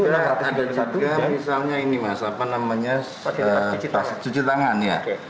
ada juga misalnya ini mas apa namanya cuci tangan ya